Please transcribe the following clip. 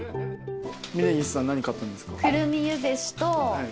峯岸さん何買ったんですか？